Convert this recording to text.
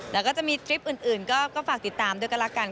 แล้วก็จะมีทริปอื่นก็ฝากติดตามด้วยกันละกัน